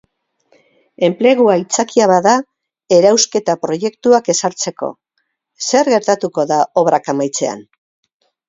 Enplegua aitzakia bat da erauzketa proiektuak ezartzeko; zer gertatuko da obrak amaitzean?